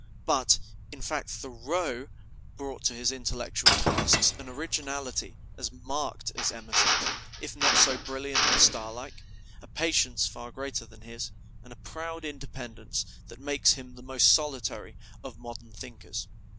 But, in fact, Thoreau brought to his intellectual tasks an originality as marked as Emerson's, if not so brilliant and star like a patience far greater than his, and a proud independence that makes him the most solitary of modern thinkers.